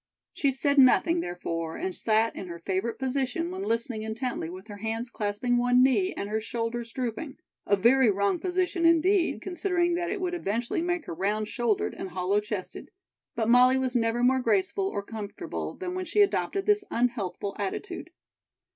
She said nothing, therefore, and sat in her favorite position when listening intently with her hands clasping one knee and her shoulders drooping; a very wrong position indeed, considering that it would eventually make her round shouldered and hollow chested; but Molly was never more graceful or comfortable than when she adopted this unhealthful attitude.